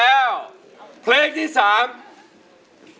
เมื่อสักครู่นี้ถูกต้องทั้งหมด